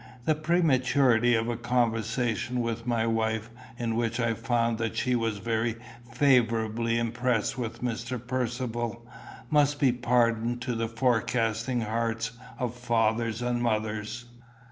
The prematurity of a conversation with my wife, in which I found that she was very favourably impressed with Mr. Percivale, must be pardoned to the forecasting hearts of fathers and mothers.